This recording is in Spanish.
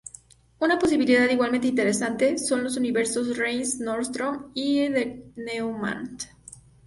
Una posibilidad igualmente interesante son los universos Reissner-Nordström y de Kerr-Newman.